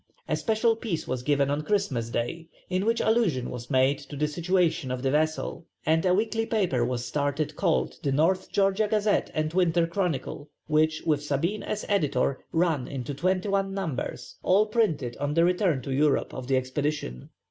A special piece was given on Christmas day, in which allusion was made to the situation of the vessels, and a weekly paper was started called the North Georgia Gazette and Winter Chronicle, which with Sabine, as editor, run into twenty one numbers, all printed on the return to Europe of the expedition.